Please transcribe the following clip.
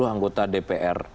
tiga puluh anggota dpr